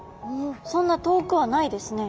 そんな遠くはないですね。